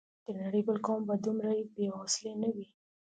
د نړۍ بل قوم به دومره بې حوصلې نه وي.